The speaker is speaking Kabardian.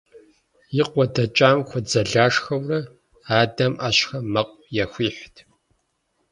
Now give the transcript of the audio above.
И къуэ дэкӏам хуэдзэлашхэурэ, адэм ӏэщхэм мэкъу яхуихьт.